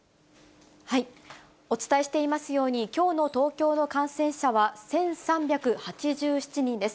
お伝えしていますように、きょうの東京の感染者は１３８７人です。